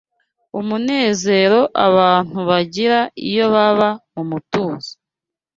umunezero abantu bagira iyo baba mu mutuzo.